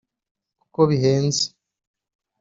kuko bihenze